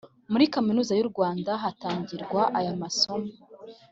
muri Kaminuza y u Rwanda hatangirwa ayamasoma.